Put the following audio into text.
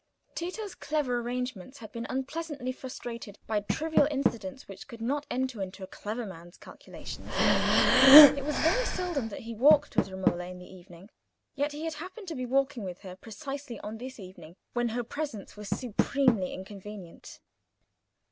Tito's clever arrangements had been unpleasantly frustrated by trivial incidents which could not enter into a clever man's calculations. It was very seldom that he walked with Romola in the evening, yet he had happened to be walking with her precisely on this evening when her presence was supremely inconvenient.